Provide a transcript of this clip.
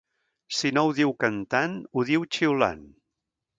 Si no ho diu cantant, ho diu xiulant.